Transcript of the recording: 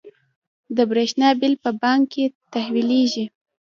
د بریښنا بیل په بانک تحویلیږي؟